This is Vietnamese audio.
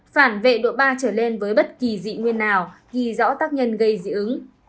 phản vệ độ ba trở lên với bất kỳ dị nguyên nào ghi rõ tác nhân gây dị ứng